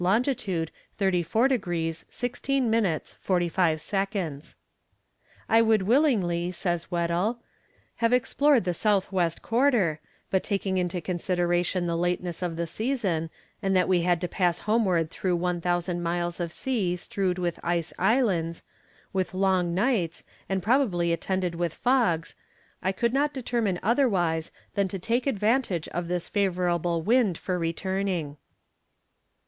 long. 34 degrees 16 minutes 45 seconds. "I would willingly," says Weddell, "have explored the south west quarter, but taking into consideration the lateness of the season, and that we had to pass homeward through 1000 miles of sea strewed with ice islands, with long nights, and probably attended with fogs, I could not determine otherwise than to take advantage of this favourable wind for returning."